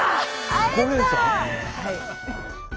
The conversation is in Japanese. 会えた！